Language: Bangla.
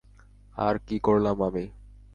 আর কী করলাম আমি?